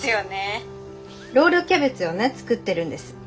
ロールキャベツをね作ってるんです。